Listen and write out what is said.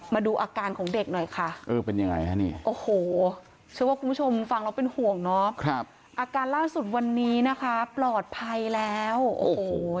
มาดูอาการของเด็กหน่อยค่ะโอ้โหช่วยว่าคุณผู้ชมฟังเราเป็นห่วงเนอะอาการล่าสุดวันนี้นะคะปลอดภัยแล้วโอ้โห